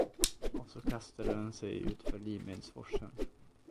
Och så kastade den sig utför Limedsforsen.